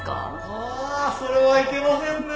あそれはいけませんね。